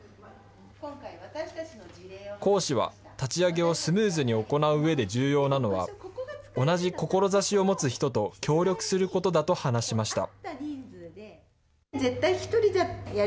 講師は、立ち上げをスムーズに行う上で重要なのは、同じ志を持つ人と協力することだと話しました。